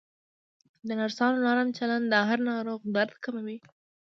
د نرسانو نرم چلند د هر ناروغ درد کموي.